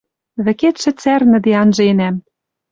Вӹкетшӹ цӓрнӹде анженӓм.